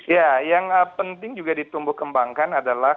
ya yang penting juga ditumbuh kembangkan adalah